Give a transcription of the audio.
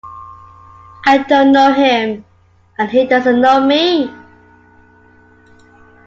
I don't know him, and he doesn't know me.